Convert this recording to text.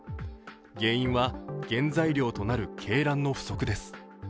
原因は原材料となる鶏卵の不足です。